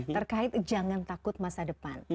terkait jangan takut masa depan